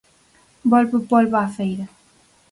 Volve o polbo á feira.